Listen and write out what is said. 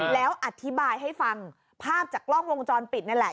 แล้วอธิบายให้ฟังภาพจากกล้องวงจรปิดนั่นแหละ